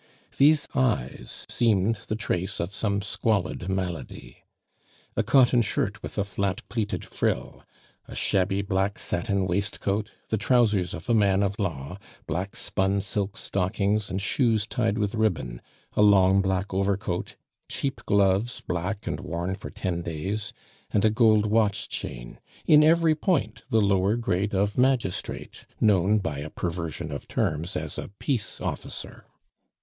These eyes seemed the trace of some squalid malady. A cotton shirt with a flat pleated frill, a shabby black satin waistcoat, the trousers of a man of law, black spun silk stockings, and shoes tied with ribbon; a long black overcoat, cheap gloves, black, and worn for ten days, and a gold watch chain in every point the lower grade of magistrate known by a perversion of terms as a peace officer.